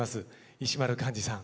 石丸幹二さん